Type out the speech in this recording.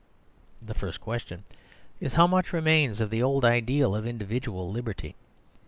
The first question is how much remains of the old ideal of individual liberty.